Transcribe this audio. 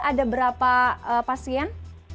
ada berapa pasien